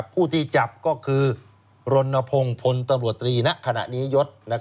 ผู้ที่จับก็คือรณพงศ์พลตำรวจตรีณขณะนี้ยศ